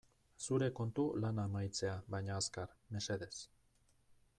Zure kontu lana amaitzea baina azkar, mesedez.